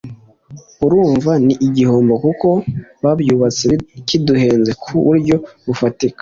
Urumva ni igihombo kuko bacyubatse kiduhenze ku buryo bufatika